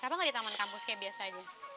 kenapa enggak di taman kampus kayak biasa aja